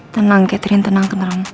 tenang catherine tenang